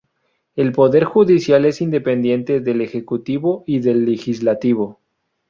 El poder judicial es independiente del ejecutivo y del legislativo.